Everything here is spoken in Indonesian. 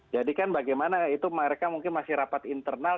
jadi kan bagaimana itu mereka mungkin masih rapat internal